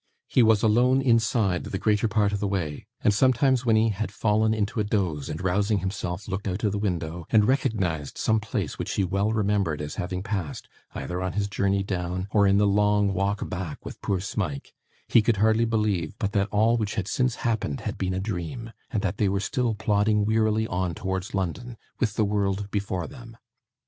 He was alone inside the greater part of the way, and sometimes, when he had fallen into a doze, and, rousing himself, looked out of the window, and recognised some place which he well remembered as having passed, either on his journey down, or in the long walk back with poor Smike, he could hardly believe but that all which had since happened had been a dream, and that they were still plodding wearily on towards London, with the world before them.